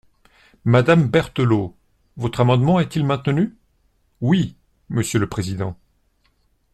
Madame Berthelot, votre amendement est-il maintenu ? Oui, monsieur le président.